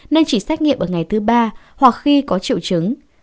nên chỉ xét nghiệm ở ngày thứ ba hoặc khi có triệu chứng